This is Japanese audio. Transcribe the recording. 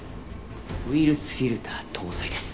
ウイルスフィルター搭載です。